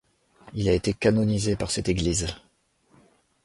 Il a été canonisé par cette Église.